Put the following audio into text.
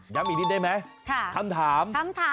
อีกนิดได้ไหมคำถาม